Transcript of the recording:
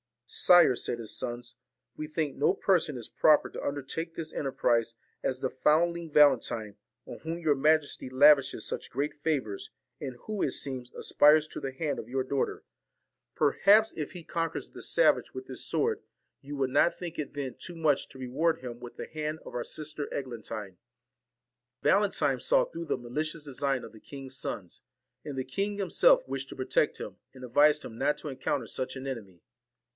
'Sire,' said his sons, 'we think no person is so proper to undertake this enterprise as the found ling Valentine, on whom your majesty lavishes such great favours, and who, it seems, aspires to the hand of your daughter. Perhaps if he 40 conquers the savage with his sword, you will not VALEN think it then too much to reward him with the TI *l, A J hand of our sister Eglantine.' Valentine saw through the malicious design of the king's sons ; and the king himself wished to protect him, and advised him not to encounter such an enemy.